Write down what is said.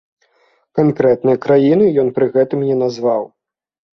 Канкрэтныя краіны ён пры гэтым не назваў.